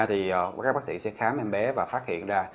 thì các bác sĩ sẽ khám em bé và phát hiện ra